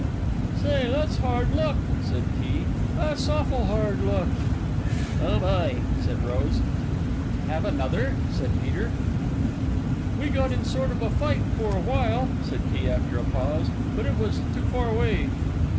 "Say tha's hard luck," said Key "that's awful hard luck." "Oh, boy!" said Rose. "Have another?" said Peter. "We got in a sort of fight for a while," said Key after a pause, "but it was too far away."